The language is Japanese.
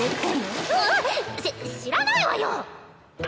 し知らないわよ！